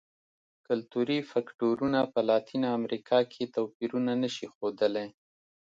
کلتوري فکټورونه په لاتینه امریکا کې توپیرونه نه شي ښودلی.